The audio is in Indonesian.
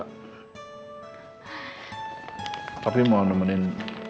tapi mau nemenin